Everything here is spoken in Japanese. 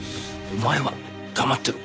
お前は黙ってろ。